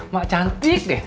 mak cantik deh